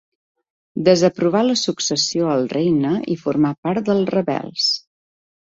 Desaprovà la successió al regne i formà part dels rebels.